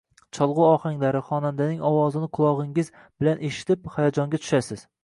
Cholg’u ohanglari, xonandaning ovozini qulog’ingiz bilaneshitib, hayajonga tushasiz.